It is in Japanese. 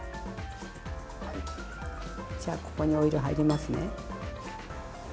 じゃここにオイル入りますね。